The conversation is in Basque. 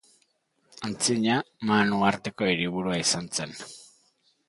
Antzina Man uharteko hiriburua izan zen.